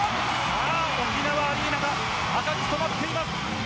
沖縄アリーナが赤く染まっています。